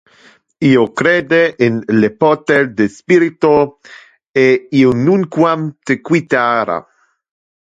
Io crede in le poter del spirito e io nunquam te quitara.